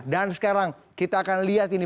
dan sekarang kita akan lihat ini